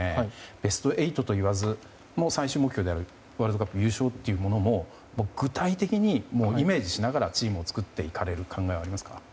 ベスト８といわず最終目標であるワールドカップ優勝も具体的にイメージしながらチームを作っていかれる考えありますか？